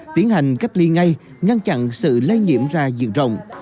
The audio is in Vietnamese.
tiến hành cách ly ngay ngăn chặn sự lây nhiễm ra diện rộng